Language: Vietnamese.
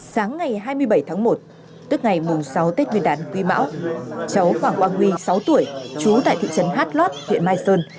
sáng ngày hai mươi bảy tháng một tức ngày mùng sáu tết nguyên đán quý mão cháu quảng quang huy sáu tuổi trú tại thị trấn hát lót huyện mai sơn